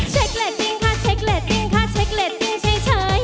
เชคเลตติ้งค่ะเชคเลตติ้งค่ะเชคเลตติ้งเฉย